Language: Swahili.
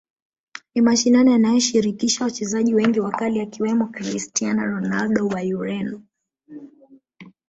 Ni mashindano yanayoshirikisha wachezaji wengi wakali akiwemo Christiano Ronaldo wa Ureno